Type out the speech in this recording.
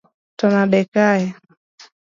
To nade ka